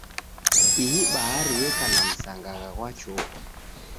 Ihi bahari eka na msangagha ghwa chokwa.